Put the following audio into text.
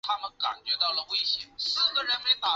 毕业于中国海洋大学物理海洋专业。